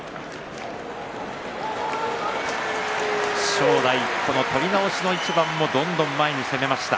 正代、取り直しの一番もどんどん前に出ました。